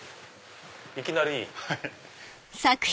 いきなり。